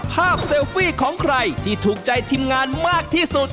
เซลฟี่ของใครที่ถูกใจทีมงานมากที่สุด